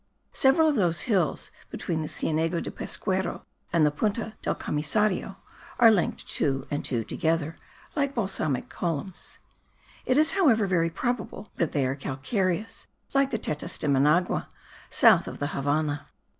Several of those hills between Cienega de Pesquero and the Punta del Comissario are linked two and two together, like basaltic columns; it is, however, very probable that they are calcareous, like the Tetas de Managua, south of the Havannah.